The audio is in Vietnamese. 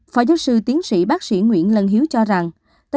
phó giáo sư tiến sĩ bác sĩ nguyễn lân hiếu cho rằng